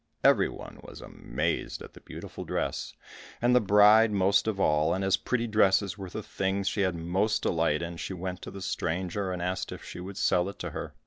Every one was amazed at the beautiful dress, and the bride most of all, and as pretty dresses were the things she had most delight in, she went to the stranger and asked if she would sell it to her.